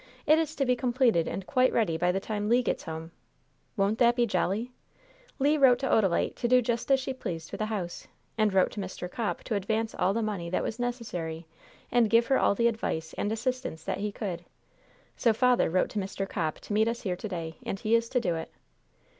It is to be completed and quite ready by the time Le gets home! Won't that be jolly? Le wrote to Odalite to do just as she pleased with the house, and wrote to Mr. Copp to advance all the money that was necessary and give her all the advice and assistance that he could. So father wrote to Mr. Copp to meet us here to day, and he is to do it.